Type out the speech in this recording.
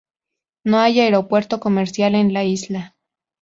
No hay aeropuerto comercial en la isla.